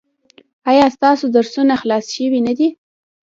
ایا ستاسو درسونه خلاص شوي نه دي؟